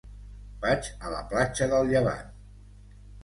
Vaig a la platja del Llevant.